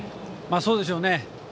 そうでしょうね。